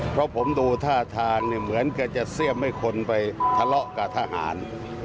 เพราะผมดูท่าทางเนี่ยเหมือนกันจะเสี้ยมให้คนไปทะเลาะกับทหาร